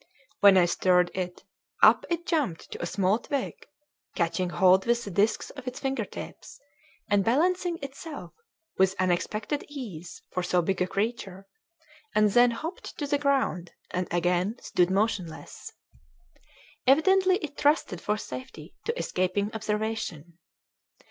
When I stirred it up it jumped to a small twig, catching hold with the disks of its finger tips, and balancing itself with unexpected ease for so big a creature, and then hopped to the ground and again stood motionless. Evidently it trusted for safety to escaping observation.